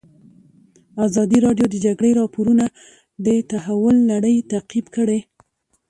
ازادي راډیو د د جګړې راپورونه د تحول لړۍ تعقیب کړې.